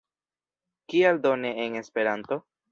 Kial do ne en Esperanto?